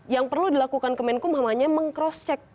yang perlu dilakukan kemenkum ham hanya meng cross check